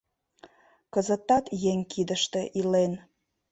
Кызытат еҥ кидыште илен.